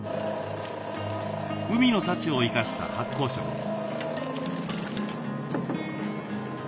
海の幸を生かした発酵食です。